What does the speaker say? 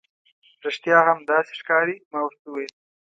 رښتیا هم، داسې ښکاري. ما ورته وویل.